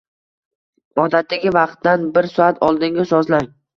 Odatdagi vaqtdan bir soat oldinga sozlang.